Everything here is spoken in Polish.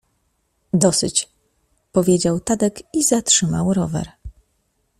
— Dosyć — powiedział Tadek i zatrzymał rower.